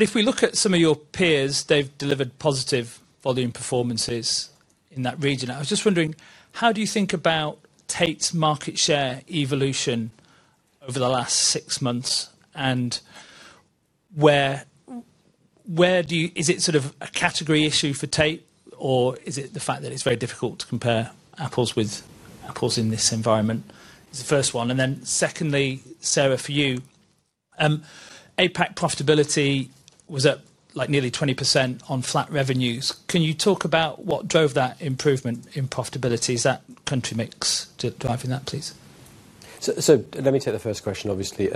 If we look at some of your peers, they've delivered positive volume performances in that region. I was just wondering, how do you think about Tate's market share evolution over the last six months? Where is it sort of a category issue for Tate? Is it the fact that it's very difficult to compare apples with apples in this environment? That is the first one. Secondly, Sarah, for you. APAC profitability was at nearly 20% on flat revenues. Can you talk about what drove that improvement in profitability? Is that country mix driving that, please? Let me take the first question, obviously.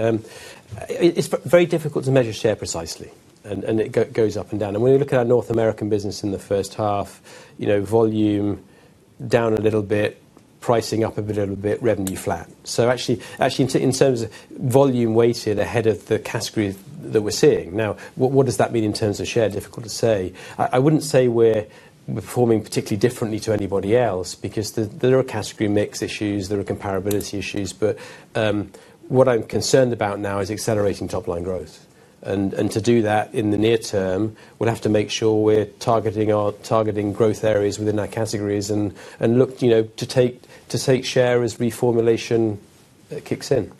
It's very difficult to measure share precisely. It goes up and down. When you look at our North American business in the first half, volume down a little bit, pricing up a little bit, revenue flat. Actually, in terms of volume weighted ahead of the category that we're seeing. Now, what does that mean in terms of share? Difficult to say. I wouldn't say we're performing particularly differently to anybody else because there are category mix issues. There are comparability issues. What I'm concerned about now is accelerating top-line growth. To do that in the near term, we'll have to make sure we're targeting growth areas within our categories and look to take share as reformulation kicks in.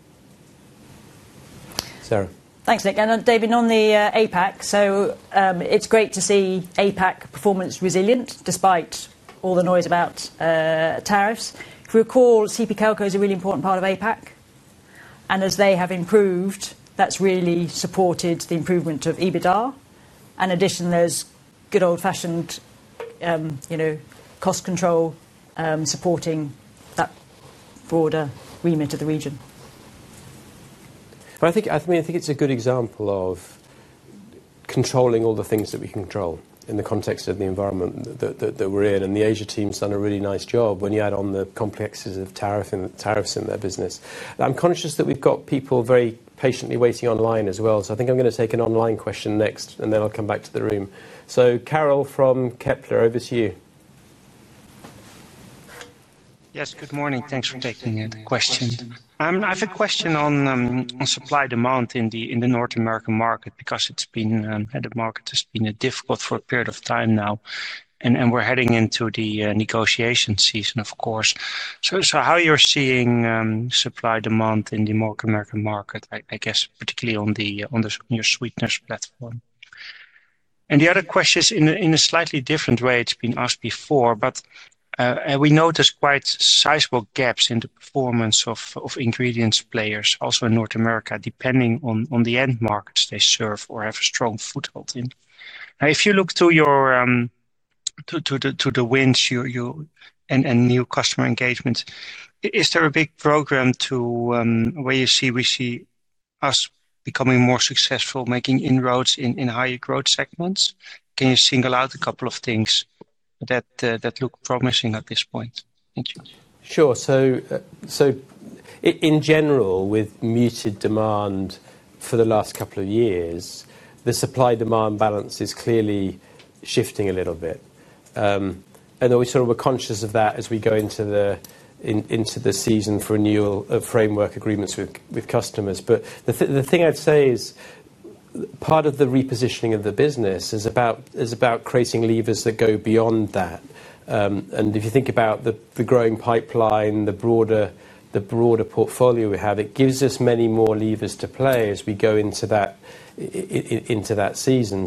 Sarah. Thanks, Nick. David, on the APAC, it's great to see APAC performance resilient despite all the noise about tariffs. If we recall, CP Kelco is a really important part of APAC. As they have improved, that's really supported the improvement of EBITDA. Additionally, there's good old-fashioned cost control supporting that broader remit of the region. I mean, I think it's a good example of controlling all the things that we can control in the context of the environment that we're in. The Asia team's done a really nice job when you add on the complexities of tariffs in their business. I'm conscious that we've got people very patiently waiting online as well. I think I'm going to take an online question next, and then I'll come back to the room. Karel from Kepler, over to you. Yes, good morning. Thanks for taking the question. I have a question on supply demand in the North American market because it's been a market that's been difficult for a period of time now. We are heading into the negotiation season, of course. How are you seeing supply demand in the North American market, I guess, particularly on your sweeteners platform? The other question is in a slightly different way. It's been asked before, but we noticed quite sizable gaps in the performance of ingredients players, also in North America, depending on the end markets they serve or have a strong foothold in. Now, if you look to the wins and new customer engagement, is there a big program where you see us becoming more successful, making inroads in higher growth segments? Can you single out a couple of things that look promising at this point? Thank you. Sure. In general, with muted demand for the last couple of years, the supply-demand balance is clearly shifting a little bit. We sort of were conscious of that as we go into the season for renewal of framework agreements with customers. The thing I'd say is, part of the repositioning of the business is about creating levers that go beyond that. If you think about the growing pipeline, the broader portfolio we have, it gives us many more levers to play as we go into that season.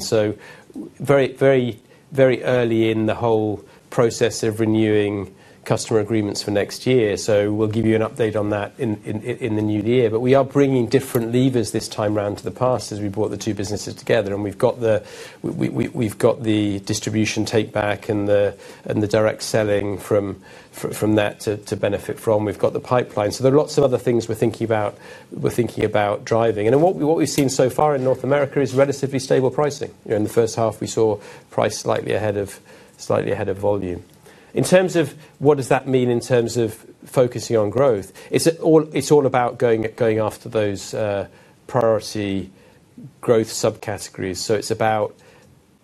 Very early in the whole process of renewing customer agreements for next year, so we'll give you an update on that in the new year. We are bringing different levers this time around to the past as we brought the two businesses together. We've got the distribution take-back and the direct selling from. That to benefit from. We've got the pipeline. There are lots of other things we're thinking about driving. What we've seen so far in North America is relatively stable pricing. In the first half, we saw price slightly ahead of volume. In terms of what does that mean in terms of focusing on growth, it's all about going after those priority growth subcategories. It's about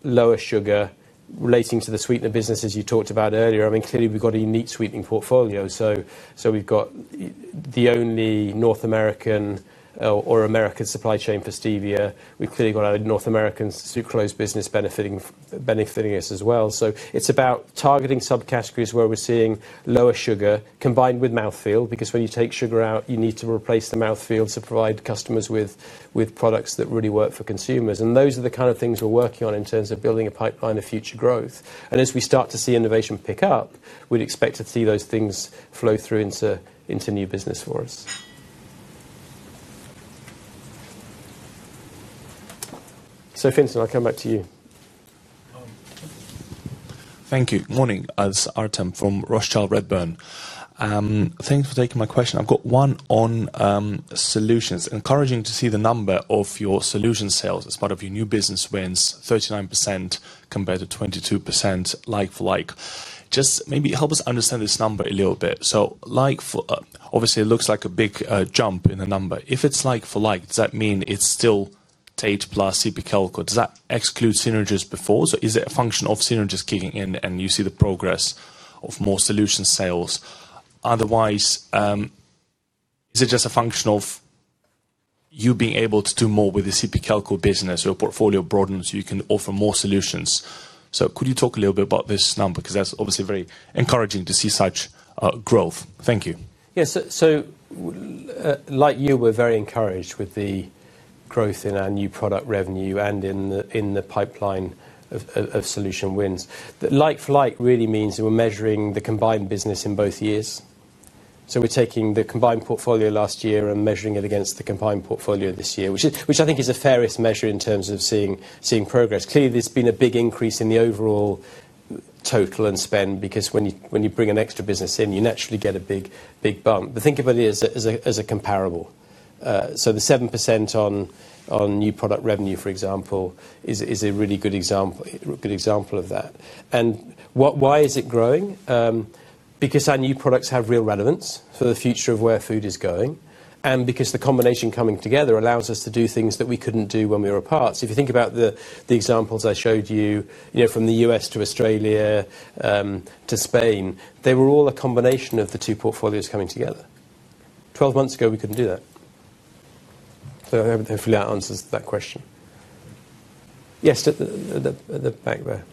lower sugar relating to the sweetener business, as you talked about earlier. I mean, clearly, we've got a unique sweetening portfolio. We've got the only North American or American supply chain for stevia. We've clearly got a North American sucrose business benefiting us as well. It's about targeting subcategories where we're seeing lower sugar combined with mouthfeel because when you take sugar out, you need to replace the mouthfeel to provide customers with products that really work for consumers. Those are the kind of things we're working on in terms of building a pipeline of future growth. As we start to see innovation pick up, we'd expect to see those things flow through into new business for us. Artem, I'll come back to you. Thank you. Good morning. It's Artem from Rothschild Redburn. Thanks for taking my question. I've got one on solutions. Encouraging to see the number of your solution sales as part of your new business wins, 39% compared to 22% like-for-like. Just maybe help us understand this number a little bit. Obviously, it looks like a big jump in the number. If it's like-for-like, does that mean it's still Tate & Lyle plus CP Kelco? Does that exclude synergies before? Is it a function of synergies kicking in and you see the progress of more solution sales? Otherwise, is it just a function of you being able to do more with the CP Kelco business? Your portfolio broadens, you can offer more solutions. Could you talk a little bit about this number? Because that's obviously very encouraging to see such growth. Thank you. Yeah. So. Like you, we're very encouraged with the growth in our new product revenue and in the pipeline of solution wins. Like-for-like really means we're measuring the combined business in both years. We're taking the combined portfolio last year and measuring it against the combined portfolio this year, which I think is a fairest measure in terms of seeing progress. Clearly, there's been a big increase in the overall total and spend because when you bring an extra business in, you naturally get a big bump. Think about it as a comparable. The 7% on new product revenue, for example, is a really good example of that. Why is it growing? Because our new products have real relevance for the future of where food is going. Because the combination coming together allows us to do things that we couldn't do when we were apart. If you think about the examples I showed you from the US to Australia to Spain, they were all a combination of the two portfolios coming together. Twelve months ago, we could not do that. Hopefully, that answers that question. Yes. Back there.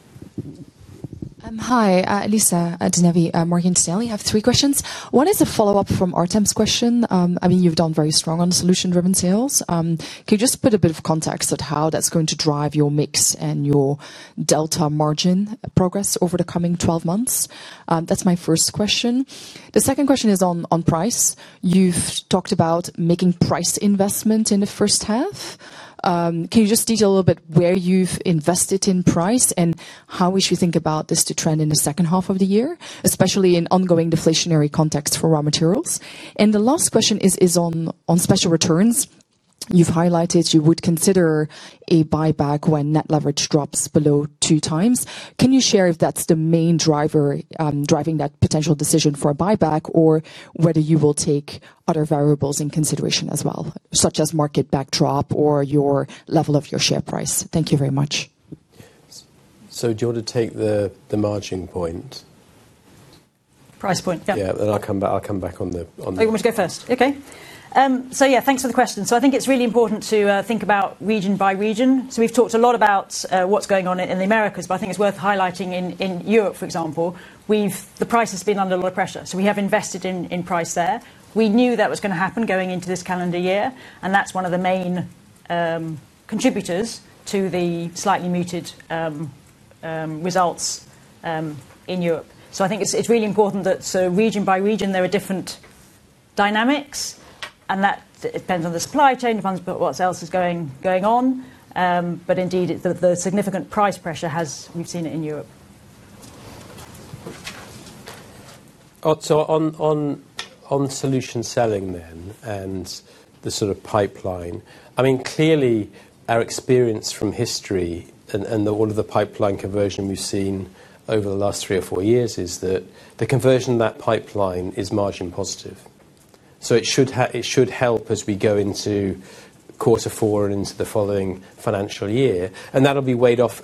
Hi, Lisa De Neve from Morgan Stanley. We have three questions. One is a follow-up from Artem's question. I mean, you've done very strong on solution-driven sales. Can you just put a bit of context at how that's going to drive your mix and your delta margin progress over the coming 12 months? That's my first question. The second question is on price. You've talked about making price investment in the first half. Can you just detail a little bit where you've invested in price and how we should think about this to trend in the second half of the year, especially in ongoing deflationary context for raw materials? The last question is on special returns. You've highlighted you would consider a buyback when net leverage drops below two times. Can you share if that's the main driver driving that potential decision for a buyback or whether you will take other variables in consideration as well, such as market backdrop or your level of your share price? Thank you very much. Do you want to take the margin point? Price point. Yeah. Yeah. I'll come back on the. Oh, you want me to go first? Okay. Yeah, thanks for the question. I think it's really important to think about region by region. We've talked a lot about what's going on in the Americas, but I think it's worth highlighting in Europe, for example, the price has been under a lot of pressure. We have invested in price there. We knew that was going to happen going into this calendar year. That's one of the main contributors to the slightly muted results in Europe. I think it's really important that region by region, there are different dynamics, and that depends on the supply chain funds, but what else is going on. Indeed, the significant price pressure has, we've seen it in Europe. Solution selling then and the sort of pipeline. I mean, clearly, our experience from history and all of the pipeline conversion we've seen over the last three or four years is that the conversion of that pipeline is margin positive. It should help as we go into quarter four and into the following financial year. That'll be weighed off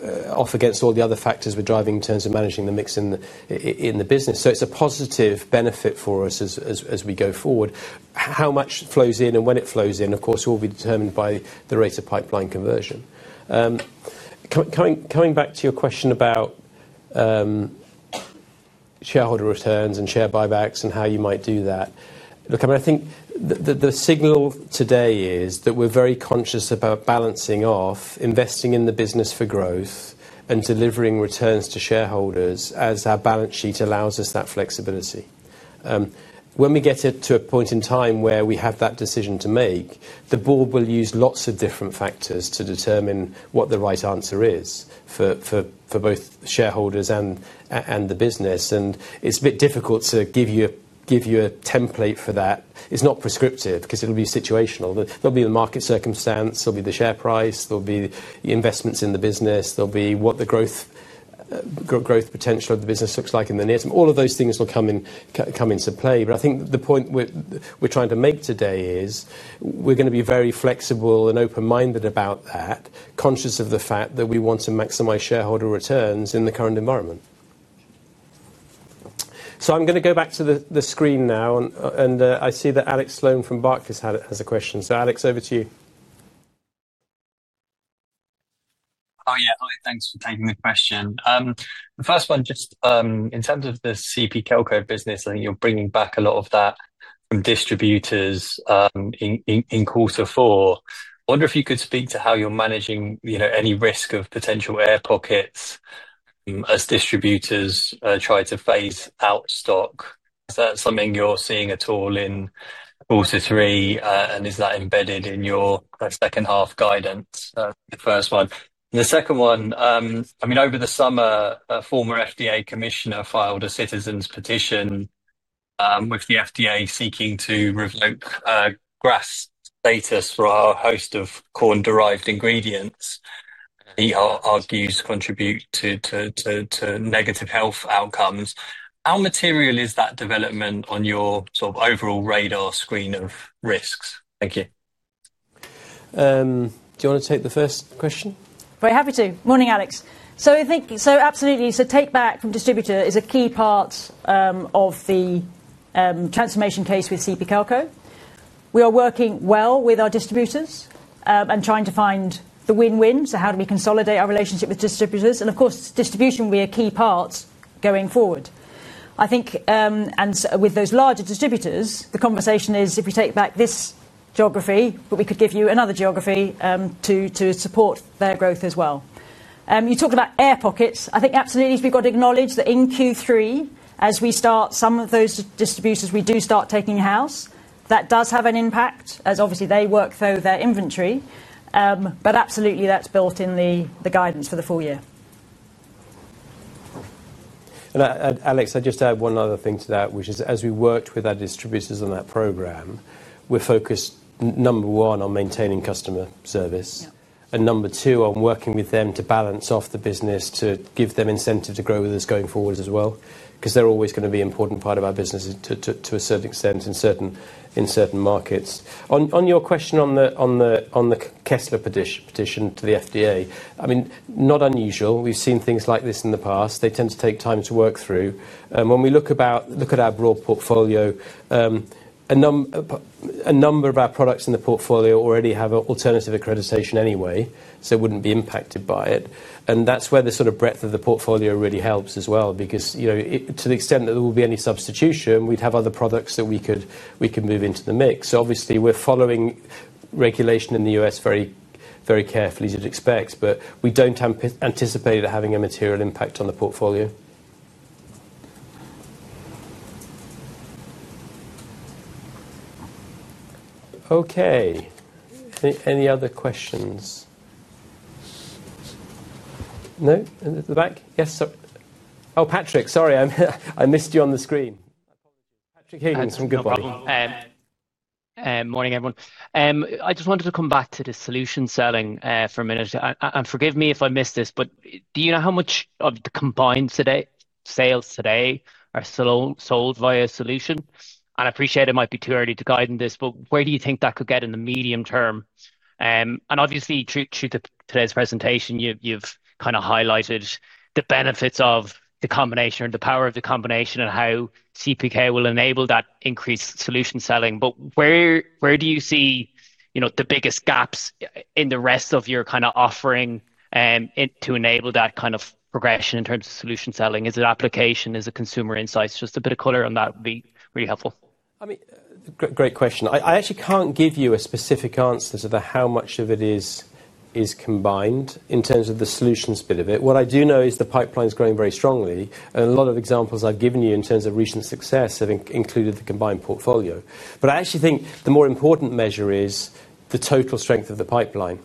against all the other factors we're driving in terms of managing the mix in the business. It is a positive benefit for us as we go forward. How much flows in and when it flows in, of course, will be determined by the rate of pipeline conversion. Coming back to your question about shareholder returns and share buybacks and how you might do that. Look, I mean, I think the signal today is that we're very conscious about balancing off, investing in the business for growth, and delivering returns to shareholders as our balance sheet allows us that flexibility. When we get to a point in time where we have that decision to make, the board will use lots of different factors to determine what the right answer is for both shareholders and the business. It's a bit difficult to give you a template for that. It's not prescriptive because it'll be situational. There'll be the market circumstance. There'll be the share price. There'll be the investments in the business. There'll be what the growth potential of the business looks like in the near term. All of those things will come into play. I think the point we're trying to make today is we're going to be very flexible and open-minded about that, conscious of the fact that we want to maximize shareholder returns in the current environment. I'm going to go back to the screen now. I see that Alex Sloane from Barclays has a question. Alex, over to you. Oh, yeah. Hi. Thanks for taking the question. The first one, just in terms of the CP Kelco business, I think you're bringing back a lot of that from distributors in quarter four. I wonder if you could speak to how you're managing any risk of potential air pockets as distributors try to phase out stock. Is that something you're seeing at all in quarter three? And is that embedded in your second half guidance? The first one. And the second one, I mean, over the summer, a former FDA commissioner filed a citizens' petition with the FDA seeking to revoke GRAS status for a host of corn-derived ingredients. He argues contribute to negative health outcomes. How material is that development on your sort of overall radar screen of risks? Thank you. Do you want to take the first question? Very happy to. Morning, Alex. Absolutely. Take-back from distributor is a key part of the transformation case with CP Kelco. We are working well with our distributors and trying to find the win-win. How do we consolidate our relationship with distributors? Distribution will be a key part going forward. I think with those larger distributors, the conversation is, if we take back this geography, we could give you another geography to support their growth as well. You talked about air pockets. I think absolutely we have to acknowledge that in Q3, as we start some of those distributors, we do start taking a house. That does have an impact, as obviously they work through their inventory. Absolutely, that is built in the guidance for the full year. Alex, I just add one other thing to that, which is as we worked with our distributors on that program, we're focused, number one, on maintaining customer service. Number two, on working with them to balance off the business, to give them incentive to grow with us going forward as well. They're always going to be an important part of our business to a certain extent in certain markets. On your question on the Kessler petition to the FDA, I mean, not unusual. We've seen things like this in the past. They tend to take time to work through. When we look at our broad portfolio, a number of our products in the portfolio already have alternative accreditation anyway, so it wouldn't be impacted by it. That's where the sort of breadth of the portfolio really helps as well. Because to the extent that there will be any substitution, we'd have other products that we could move into the mix. Obviously, we're following regulation in the US very carefully, as you'd expect. We don't anticipate it having a material impact on the portfolio. Okay. Any other questions? No? In the back? Yes. Oh, Patrick, sorry. I missed you on the screen. Patrick Higgins. Good morning. Morning, everyone. I just wanted to come back to the solution selling for a minute. And forgive me if I missed this, but do you know how much of the combined sales today are sold via solution? I appreciate it might be too early to guide in this, but where do you think that could get in the medium term? Obviously, through today's presentation, you've kind of highlighted the benefits of the combination or the power of the combination and how CP Kelco will enable that increased solution selling. Where do you see the biggest gaps in the rest of your kind of offering to enable that kind of progression in terms of solution selling? Is it application? Is it consumer insights? Just a bit of color on that would be really helpful. I mean, great question. I actually can't give you a specific answer to how much of it is combined in terms of the solutions bit of it. What I do know is the pipeline is growing very strongly. And a lot of examples I've given you in terms of recent success have included the combined portfolio. I actually think the more important measure is the total strength of the pipeline.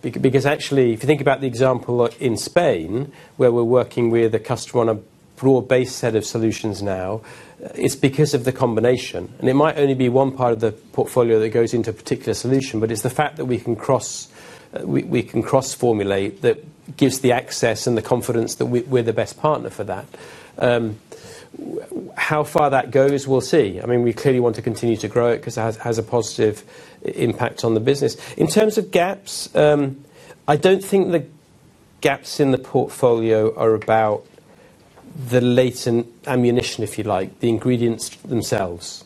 Because actually, if you think about the example in Spain, where we're working with a customer on a broad-based set of solutions now, it's because of the combination. It might only be one part of the portfolio that goes into a particular solution, but it's the fact that we can cross-formulate that gives the access and the confidence that we're the best partner for that. How far that goes, we'll see. I mean, we clearly want to continue to grow it because it has a positive impact on the business. In terms of gaps, I do not think the gaps in the portfolio are about the latent ammunition, if you like, the ingredients themselves.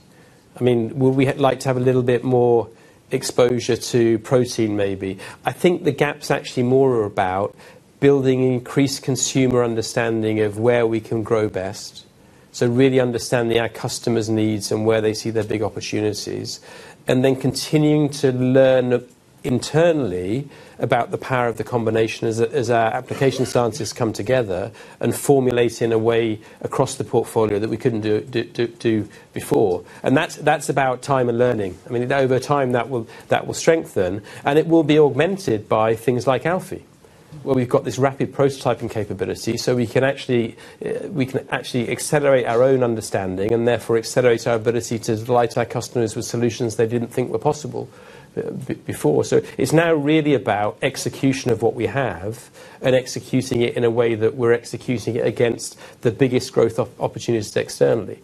I mean, would we like to have a little bit more exposure to protein, maybe? I think the gaps actually more are about building increased consumer understanding of where we can grow best. Really understanding our customers' needs and where they see their big opportunities, and then continuing to learn internally about the power of the combination as our application scientists come together and formulate in a way across the portfolio that we could not do before. That is about time and learning. I mean, over time, that will strengthen, and it will be augmented by things like Alfie, where we have got this rapid prototyping capability. We can actually accelerate our own understanding and therefore accelerate our ability to delight our customers with solutions they did not think were possible before. It is now really about execution of what we have and executing it in a way that we are executing it against the biggest growth opportunities externally,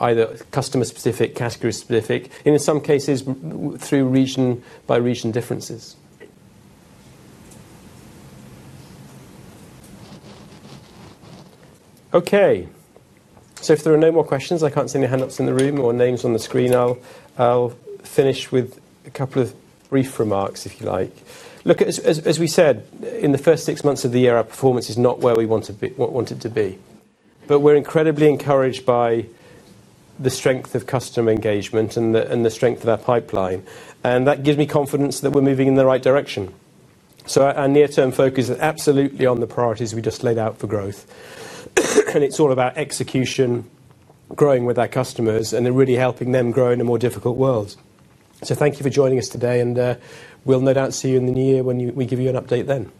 either customer-specific, category-specific, and in some cases by region differences. Okay. If there are no more questions, I cannot see any hands up in the room or names on the screen. I will finish with a couple of brief remarks, if you like. Look, as we said, in the first six months of the year, our performance is not where we want it to be. We are incredibly encouraged by the strength of customer engagement and the strength of our pipeline. That gives me confidence that we are moving in the right direction. Our near-term focus is absolutely on the priorities we just laid out for growth. It is all about execution, growing with our customers, and really helping them grow in a more difficult world. Thank you for joining us today. We will no doubt see you in the new year when we give you an update then.